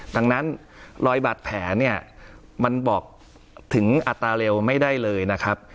ดังนั้นรอยบาดแผลเนี่ยมันบอกถึงอัตราเร็วไม่ได้เลยนะครับ